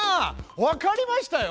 わかりましたよ。